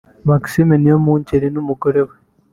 Maxime Niyomwungeri n’umugore we